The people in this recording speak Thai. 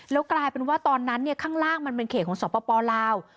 แล้วกลายเป็นว่าตอนนั้นข้างล่างมันเป็นเขตของสปลาว